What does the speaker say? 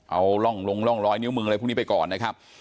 เอาร่องลงร่องรอยนิ้วมืออะไรพวกนี้ไปก่อนนะครับ